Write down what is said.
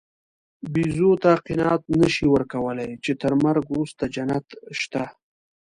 بیزو ته قناعت نهشې ورکولی، چې تر مرګ وروسته جنت شته.